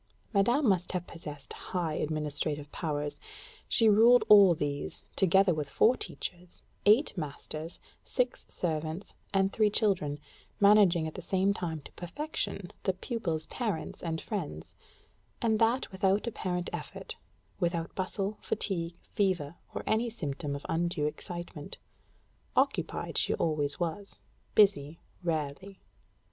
Madame must have possessed high administrative powers: she ruled all these, together with four teachers, eight masters, six servants, and three children, managing at the same time to perfection the pupil's parents and friends; and that without apparent effort, without bustle, fatigue, fever, or any symptom of undue excitement; occupied she always was busy, rarely.